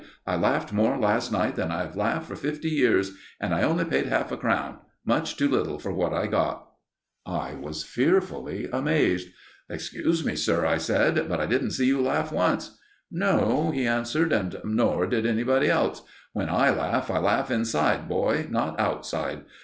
"I laughed more last night than I have laughed for fifty years. And I only paid half a crown much too little for what I got." I was fearfully amazed. "Excuse me, sir," I said, "but I didn't see you laugh once!' "No," he answered, "and more did anyone else. When I laugh, I laugh inside, boy, not outside.